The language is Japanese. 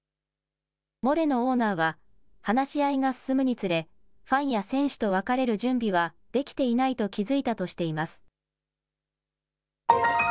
モレノオーナーは、話し合いが進むにつれ、ファンや選手と別れる準備はできていないと気付いたとしています。